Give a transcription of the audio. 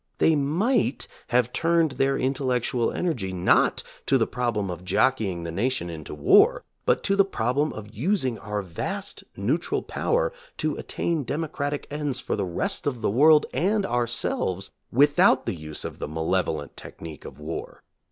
They might have turned their in tellectual energy not to the problem of jockeying the nation into war, but to the problem of using our vast neutral power to attain democratic ends for the rest of the world and ourselves without the use of the malevolent technique of war.